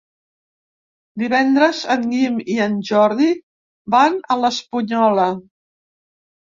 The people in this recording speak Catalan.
Divendres en Guim i en Jordi van a l'Espunyola.